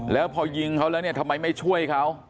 แล้วพอยิงเขาแล้วเนี่ยทำไมไม่ช่วยเขา